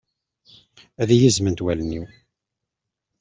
Ad iyi-zzment wallen-iw.